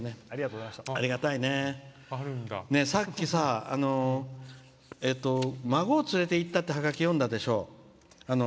さっき、孫を連れて行ったってハガキを読んだでしょう。